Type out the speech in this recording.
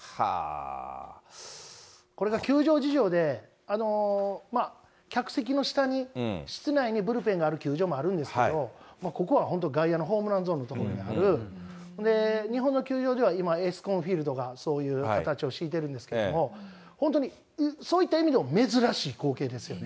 これが球場事情で、客席の下に、室内にブルペンがある球場もあるんですけど、ここは本当、外野のホームランゾーンの所にある、日本の球場では今、エースコンフィールドがそういう形を敷いてるんですけれども、本当にそういった意味でも珍しい光景ですよ。